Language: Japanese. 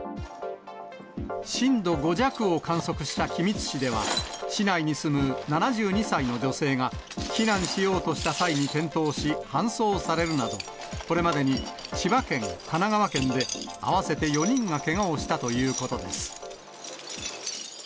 震度５弱を観測した君津市では、市内に住む７２歳の女性が、避難しようとした際に転倒し、搬送されるなど、これまでに千葉県、神奈川県で、合わせて４人がけがをしたということです。